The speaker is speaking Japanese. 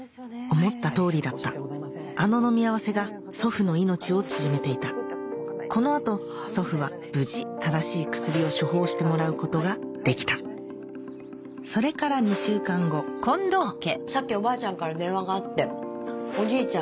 思った通りだったあの飲み合わせが祖父の命を縮めていたこの後祖父は無事正しい薬を処方してもらうことができたそれから２週間後さっきおばあちゃんから電話があっておじいちゃん